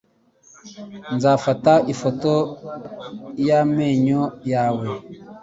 Nzafata ifoto y'amenyo yawe.